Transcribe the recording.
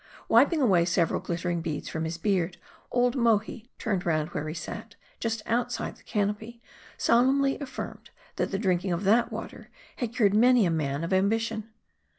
Wiping away several glittering beads from his beard, old Mohi turning round where he sat, just outside the canopy, solemnly affirmed, that the drinking of that water had cured many a man of ambition.